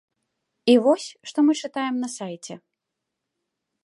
І вось, што мы чытаем на сайце.